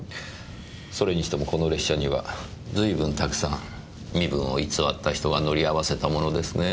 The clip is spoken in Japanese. それにしてもこの列車には随分たくさん身分を偽った人が乗り合わせたものですねぇ。